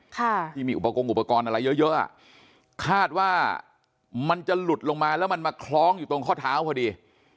ค่ะที่มีอุปกรณ์อุปกรณ์อะไรเยอะเยอะอ่ะคาดว่ามันจะหลุดลงมาแล้วมันมาคล้องอยู่ตรงข้อเท้าพอดี